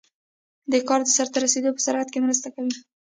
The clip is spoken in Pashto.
د کار د سرته رسیدو په سرعت کې مرسته کوي.